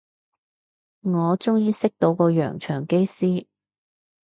我終於識到個洋腸機師